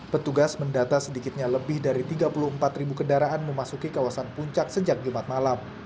petugas mendata sedikitnya lebih dari tiga puluh empat ribu kendaraan memasuki kawasan puncak sejak jumat malam